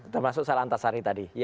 termasuk salah antasari tadi